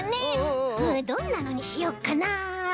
どんなのにしよっかな？